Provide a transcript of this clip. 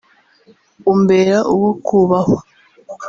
umbera uwo kubahwa